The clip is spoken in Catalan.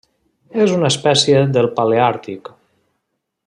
És una espècie del paleàrtic.